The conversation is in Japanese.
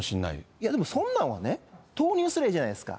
いやでも、そんなんはね、投入すればいいじゃないですか。